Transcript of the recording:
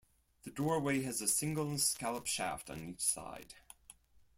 The doorway has a single-scallop shaft on each side.